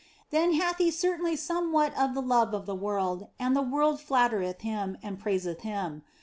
Then hath he certainly somewhat of the love of the world, and the world flattereth him and praiseth him.